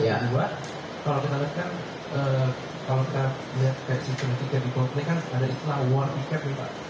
yang kedua kalau kita lihat kan kalau kita lihat kayak situan tiket di pot ini kan ada iklan war tiket nih pak